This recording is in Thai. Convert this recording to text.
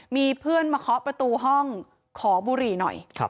มีเพื่อนมาเคาะประตูห้องขอบุหรี่หน่อย